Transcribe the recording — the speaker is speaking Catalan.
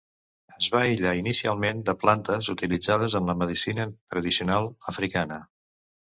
Es va aïllar inicialment de plantes utilitzades en la medicina tradicional africana.